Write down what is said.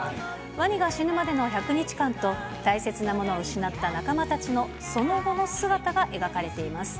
ワニが死ぬまでの１００日間と、大切なものを失った仲間たちのその後の姿が描かれています。